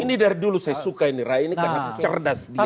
itu saya suka ini rai karena cerdas dia